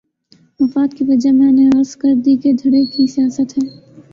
مفاد کی وجہ میں نے عرض کر دی کہ دھڑے کی سیاست ہے۔